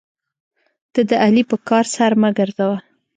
ته د علي په کار سر مه ګرځوه.